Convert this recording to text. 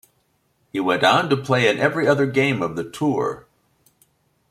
He went on to play in every other game of the tour.